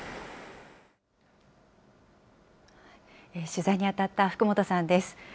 取材に当たった福本さんです。